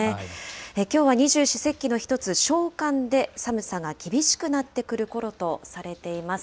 きょうは二十四節気の一つ、小寒で、寒さが厳しくなってくるころとされています。